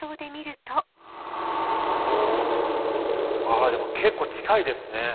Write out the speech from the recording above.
あでも結構近いですね。